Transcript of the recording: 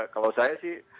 kalau saya sih